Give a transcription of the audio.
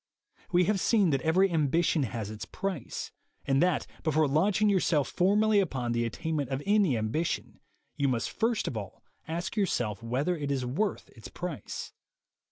We have seen that every ambition has its price, and that, before launching yourself formally upon the attainment of any ambition, you must first of all ask yourself whether it is worth its price.